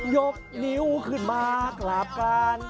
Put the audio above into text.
ยกนิ้วขึ้นมากราบการ